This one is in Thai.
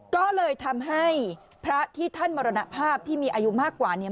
ก็เลยทำให้พระที่ท่านมรณภาพที่มีอายุมากกว่าเนี่ย